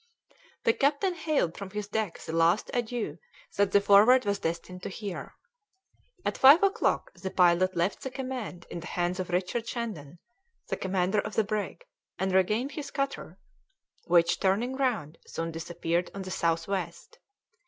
The captain hailed from his deck the last adieu that the Forward was destined to hear. At five o'clock the pilot left the command in the hands of Richard Shandon, the commander of the brig, and regained his cutter, which, turning round, soon disappeared on the south west.